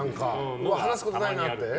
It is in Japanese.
話すことないなって。